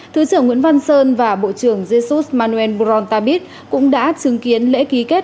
thứ trưởng nguyễn văn sơn và bộ trưởng jesus manuel burontabit cũng đã chứng kiến lễ ký kết